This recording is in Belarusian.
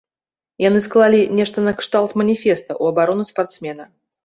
Яны склалі нешта накшталт маніфеста ў абарону спартсмена.